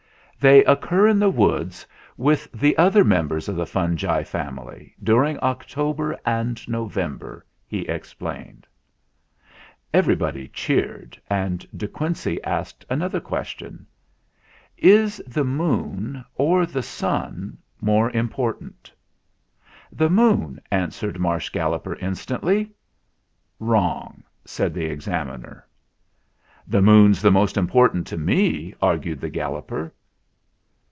"They occur in the woods, with the other members of the fungi family, during October and November," he explained. 238 THE FLINT HEART Everybody cheered, and De Quincey asked another question : "Is the Moon or the Sun more important?" "The Moon," answered Marsh Galloper in stantly. "Wrong," said the Examiner. "The Moon's the most important to me," ar gued the Galloper.